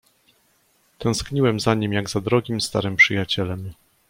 "Tęskniłem za nim jak za drogim starym przyjacielem."